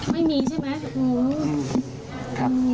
ไม่มีใช่ไหม